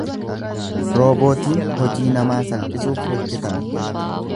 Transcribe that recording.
Roobootiin hojii namaa salphisuuf hojjetame.